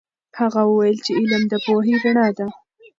هغه وویل چې علم د پوهې رڼا ده.